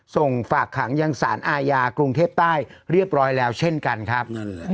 ส่งฝากขังยังสารอาญากรุงเทพใต้เรียบร้อยแล้วเช่นกันครับ